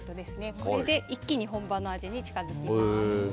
これで一気に本場の味に近づきます。